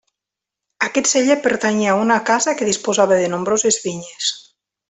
Aquest celler pertanyia a una casa que disposava de nombroses vinyes.